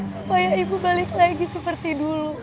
supaya ibu balik lagi seperti dulu